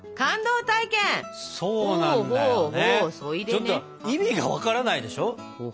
ちょっと意味が分からないでしょ？